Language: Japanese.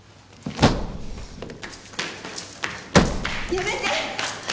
やめて！